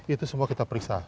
itu semua kita periksa